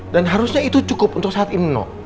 dan harusnya itu cukup untuk saat ini no